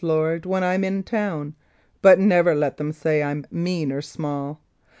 Lord, when I'm in town, But never let them say I'm mean or small.